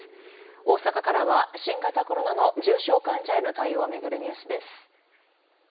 大阪からは新型コロナの重症患者への対応を巡るニュースです。